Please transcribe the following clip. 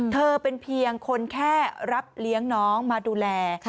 เธอเป็นเพียงคนแค่รับเลี้ยงน้องมาดูแล